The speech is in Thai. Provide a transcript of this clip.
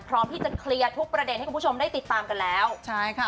พร้อมที่จะเคลียร์ทุกประเด็นให้คุณผู้ชมได้ติดตามกันแล้วใช่ค่ะ